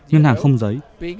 ngân hàng không giấy